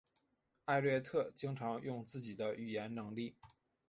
艾略特经常用自己的语言能力。